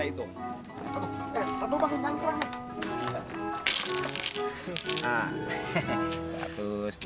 yuk yuk yuk